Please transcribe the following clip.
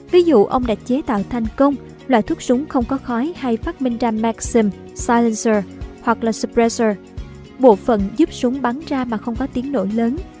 ví dụ ông đã chế tạo thành công loại thuốc súng không có khói hay phát minh ra maxim silencer hoặc là suppressor bộ phận giúp súng bắn ra mà không có tiếng nổi lớn